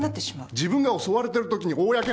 自分が襲われてるときに公になるのが怖い？